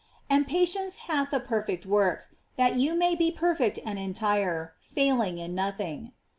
"And patience hath a perfect work, that you may be perfect and entire, failing in nothing."